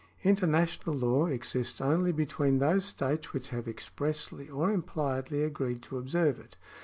International law exists only between those states which have expressly or impliedly agreed to observe it.